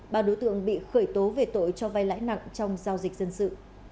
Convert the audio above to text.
ba đối tượng bị khởi tố về tội cho vai lãi nặng trong giao dịch dân sự